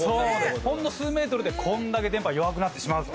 ほんの数メートルでこれだけ電波が弱くなってしまうと。